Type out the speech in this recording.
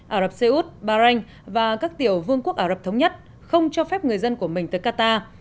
ả rập xê út bahrain và các tiểu vương quốc ả rập thống nhất không cho phép người dân của mình tới qatar